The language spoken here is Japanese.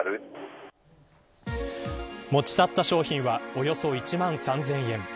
持ち去った商品はおよそ１万３０００円。